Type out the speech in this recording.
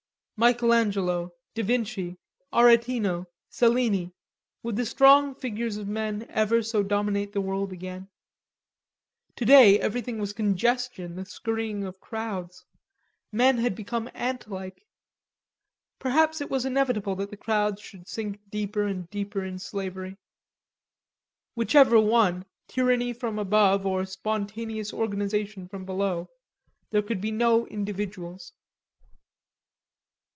Michael Angelo, da Vinci, Aretino, Cellini; would the strong figures of men ever so dominate the world again? Today everything was congestion, the scurrying of crowds; men had become ant like. Perhaps it was inevitable that the crowds should sink deeper and deeper in slavery. Whichever won, tyranny from above, or spontaneous organization from below, there could be no individuals.